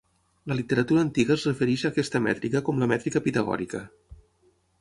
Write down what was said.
La literatura antiga es refereix a aquesta mètrica com la mètrica pitagòrica.